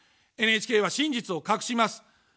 ＮＨＫは真実を隠します。